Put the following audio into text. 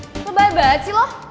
lo baik banget sih lo